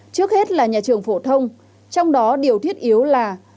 trước hết là nhà trường phổ thông trong đó điều thiết yếu là